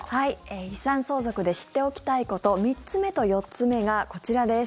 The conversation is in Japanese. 遺産相続で知っておきたいこと３つ目と４つ目がこちらです。